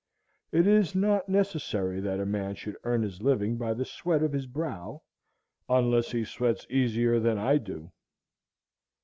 It is not necessary that a man should earn his living by the sweat of his brow, unless he sweats easier than I do.